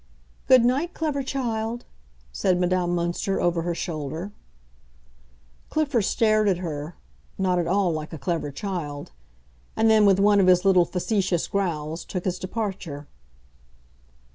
"Good night, clever child!" said Madame Münster, over her shoulder. Clifford stared at her—not at all like a clever child; and then, with one of his little facetious growls, took his departure.